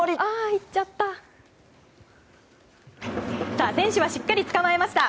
いっちゃった。